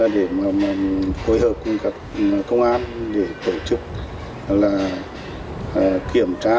để phối hợp cùng các công an để tổ chức kiểm tra